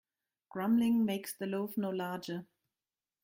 Grumbling makes the loaf no larger.